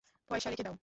পয়সা রেখে দাও।